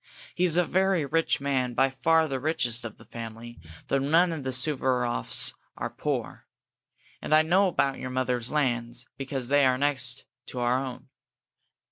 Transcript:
He is a very rich man by far the richest of the family, though none of the Suvaroffs are poor. And I know about your mother's lands, because they are next to our own."